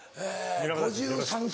５３歳。